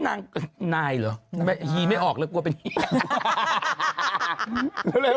นายเหรอหยีไม่ออกเลยกลัวเป็นหญิง